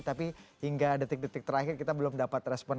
tapi hingga detik detik terakhir kita belum dapat respon